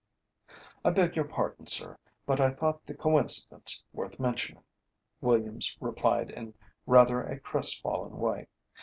"I beg your pardon, sir, but I thought the coincidence worth mentioning," Williams replied in rather a crestfallen way.